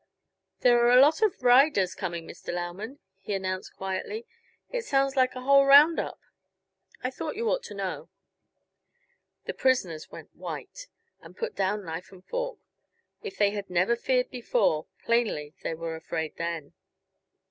"There are a lot of riders coming, Mr. Lauman," he announced quietly. "It sounds like a whole roundup. I thought you ought to know." The prisoners went white, and put down knife and fork. If they had never feared before, plainly they were afraid then.